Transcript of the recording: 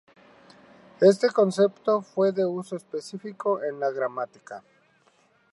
Este concepto fue de uso específico en la gramática.